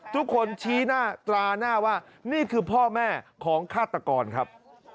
ชี้หน้าตราหน้าว่านี่คือพ่อแม่ของฆาตกรครับ